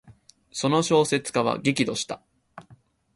その小説家は激怒した。